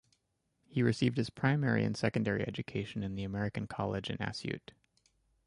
He received his primary and secondary education at the American College in Asyut.